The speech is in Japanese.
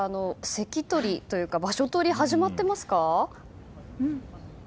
席取りというか場所取りは始まってますか？